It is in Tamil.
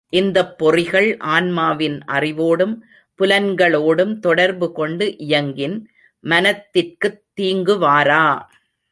இந்தப் பொறிகள் ஆன்மாவின் அறிவோடும் புலன்களோடும் தொடர்பு கொண்டு இயங்கின் மனத்திற்குத் தீங்கு வாரா!